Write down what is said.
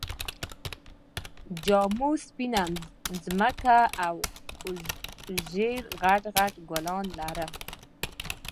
جامو سپينه ځمکه او ژېړ غټ غټ ګلان لرل